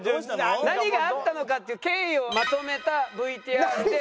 何があったのかっていう経緯をまとめたＶＴＲで。